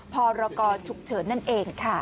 พอละกอดถูกเฉินนั่นเองค่ะ